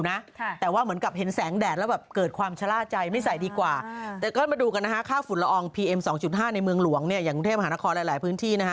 แรงค่ะเป็นงานสิรภาคนะแม่เป็นงานสิรภาค